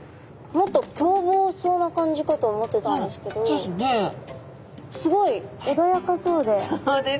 もっと凶暴そうな感じかと思ってたんですけどすごいおだやかそうで。